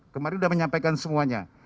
kemarin sudah menyampaikan semuanya